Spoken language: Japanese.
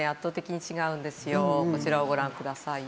こちらをご覧ください。